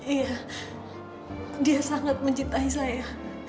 iya dia sangat mencintai saya